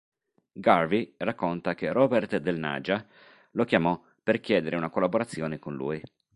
Garvey racconta che Robert Del Naja lo chiamò per chiedere una collaborazione con lui.